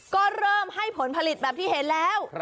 ก็เริ่มให้ผลผลิตแบบที่เห็นแล้ว